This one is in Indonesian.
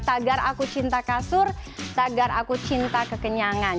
tagar aku cinta kasur tagar aku cinta kekenyangan